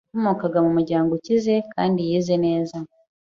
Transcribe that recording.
Yakomokaga mu muryango ukize kandi yize neza.